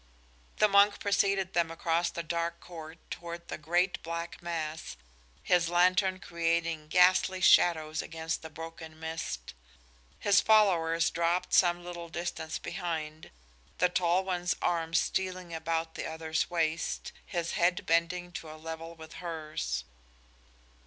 The monk preceded them across the dark court toward the great black mass, his lantern creating ghastly shadows against the broken mist. His followers dropped some little distance behind, the tall one's arm stealing about the other's waist, his head bending to a level with hers.